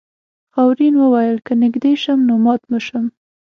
خاورین وویل که نږدې شم نو مات به شم.